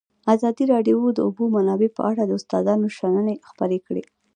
ازادي راډیو د د اوبو منابع په اړه د استادانو شننې خپرې کړي.